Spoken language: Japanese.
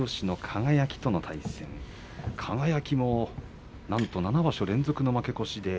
輝も７場所連続の負け越しです。